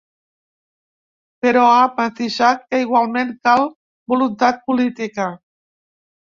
Però ha matisat que, igualment cal ‘voluntat política’.